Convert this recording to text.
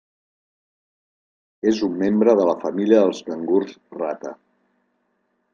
És un membre de la família dels cangurs rata.